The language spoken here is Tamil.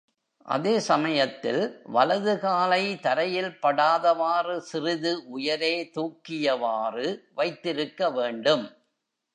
அதே சமயத்தில், வலது காலை தரையில் படாதவாறு சிறிது உயரே தூக்கியவாறு வைத்திருக்க வேண்டும்.